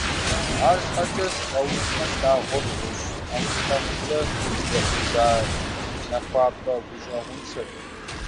АрщхьэкӀэ, сыкъэушмэ, слъагъур гъущӀ ӀэхъулъэхъукӀэ зэщӀэкъуза нахуапӀэ гущӀэгъуншэрт.